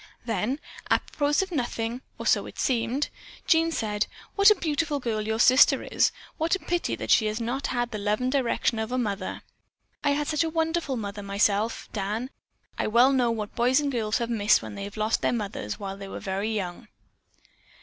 Then apropos of nothing (or so it seemed), Jean said: "What a beautiful girl your sister is. What a pity that she has not had the love and direction of a mother. I had such a wonderful mother myself, Dan, I well know what girls and boys have missed when they lost their mothers while they were very young."